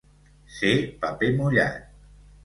Ser paper mullat.